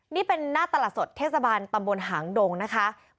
นี่เป็นหน้าตลาดสดเทศบาลตำบลหางดงนะคะ